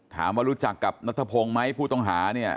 ถามว่ารู้จักกับณฑพงศ์ไหมผู้ต้องหาเนี่ย